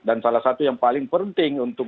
dan salah satu yang paling penting untuk